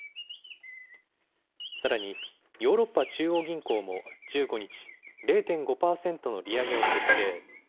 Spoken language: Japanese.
さらに、ヨーロッパ中央銀行も１５日、０．５％の利上げを決定。